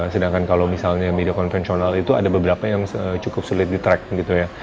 sedangkan kalau misalnya media konvensional itu ada beberapa yang cukup sulit di track gitu ya